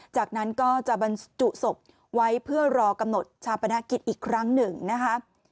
จากนั้นก็จะบรรจุศพไว้เพื่อรอกำหนดชาปนกิจอีกครั้งหนึ่งนะคะ